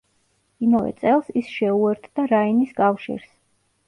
იმავე წელს, ის შეუერთდა რაინის კავშირს.